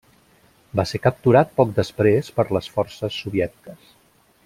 Va ser capturat poc després per les forces soviètiques.